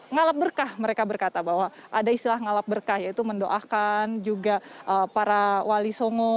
ngalap berkah mereka berkata bahwa ada istilah ngalap berkah yaitu mendoakan juga para wali songo